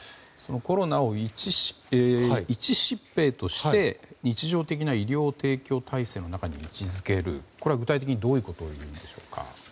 コロナを一疾病として日常的な医療提供体制の中に位置づけるというのは具体的にどういうことをいうんでしょうか。